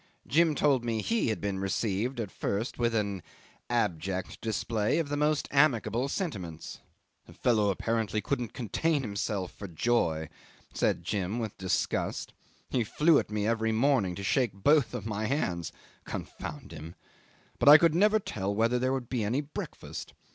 Jim told me he had been received at first with an abject display of the most amicable sentiments. "The fellow apparently couldn't contain himself for joy," said Jim with disgust. "He flew at me every morning to shake both my hands confound him! but I could never tell whether there would be any breakfast.